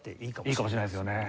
いいかもしれないですよね。